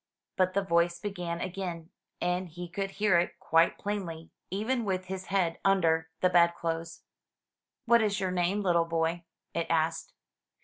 But the voice began again; and he could hear it quite plainly, even with his head under the bedclothes. '*What is your name, little boy?*' it asked.